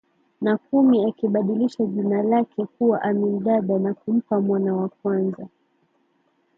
na kumi akibadilisha jina lake kuwa Amin Dada na kumpa mwana wa kwanza